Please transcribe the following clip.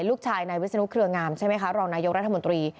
ลูกชายนายวิศนุเครืองามใช่ไหมคะรองนายกรัฐมนตรี